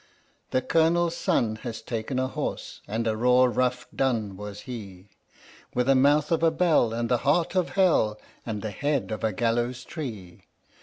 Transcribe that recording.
The Colonel's son has taken a horse, and a raw rough dun was he, With the mouth of a bell and the heart of Hell and the head of the gallows tree.